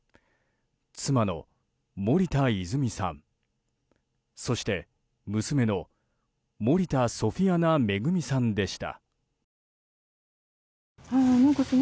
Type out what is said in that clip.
妻の森田泉さんそして娘の森田ソフィアナ恵さんでした。